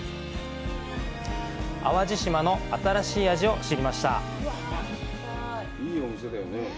淡路島の新しい味を知りました。